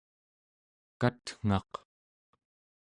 katngaq